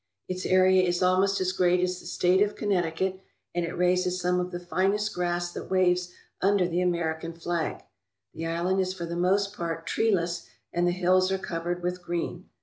Its area is almost as great as the state of Connecticut and it raises some of the finest grass that waves under the American flag. The island is for the most part treeless and the hills are covered with green.